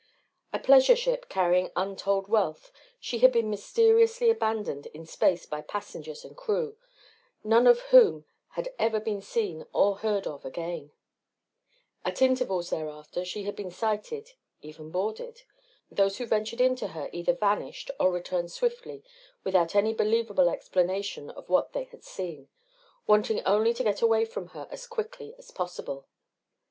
A pleasure ship carrying untold wealth, she had been mysteriously abandoned in space by passengers and crew, none of whom had ever been seen or heard of again. At intervals thereafter she had been sighted, even boarded. Those who ventured into her either vanished or returned swiftly without any believable explanation of what they had seen wanting only to get away from her as quickly as possible.